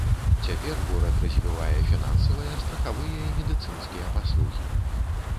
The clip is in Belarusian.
Цяпер горад развівае фінансавыя, страхавыя і медыцынскія паслугі.